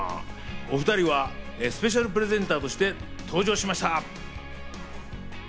お２人はスペシャルプレゼンターとして登場しました。